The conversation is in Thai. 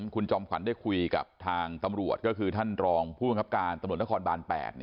คุณจอมขวัญได้คุยกับทางตำรวจก็คือท่านรองผู้บังคับการตำรวจนครบาน๘